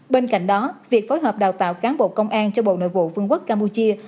bên cạnh đó việc phối hợp đào tạo cán bộ công an cho bộ nội vụ vương quốc campuchia